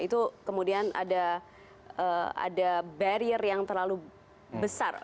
itu kemudian ada barrier yang terlalu besar